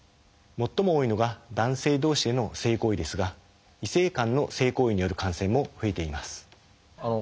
最も多いのが男性同士での性行為ですが異性間の性行為による感染も増えています。